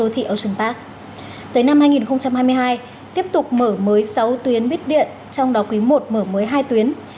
tới năm hai nghìn hai mươi hai tiếp tục mở mới sáu tuyến buýt điện trong đó quý i mở mới hai tuyến